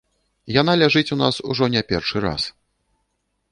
Яна ляжыць у нас ужо не першы раз.